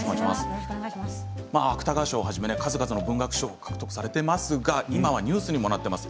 芥川賞をはじめ数々の文学賞を獲得されていますが今はニュースにもなっています